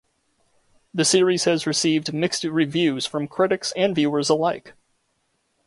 The series has received mixed reviews from critics and viewers alike.